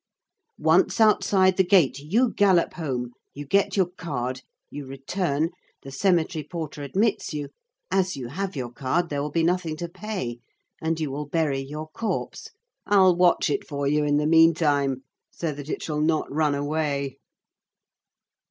"Once outside the gate, you gallop home, you get your card, you return, the cemetery porter admits you. As you have your card, there will be nothing to pay. And you will bury your corpse. I'll watch it for you in the meantime, so that it shall not run away."